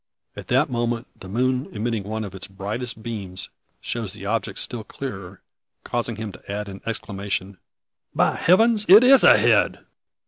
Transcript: At that moment, the moon emitting one of her brightest beams, shows the object still clearer, causing him to add in exclamation, "By heavens, it is a head!"